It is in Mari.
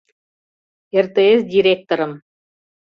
РТС директорым.